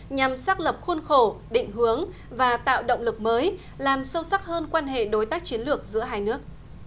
nhằm xác lập khuôn khổ định hướng và tạo động lực mới làm sâu sắc hơn quan hệ đối tác chiến lược giữa hai nước